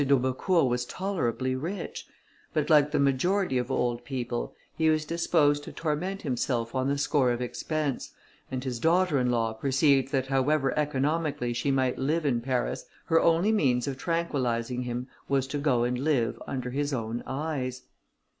d'Aubecourt was tolerably rich, but like the majority of old people, he was disposed to torment himself on the score of expense, and his daughter in law perceived that however economically she might live in Paris, her only means of tranquillizing him, was to go and live under his own eyes.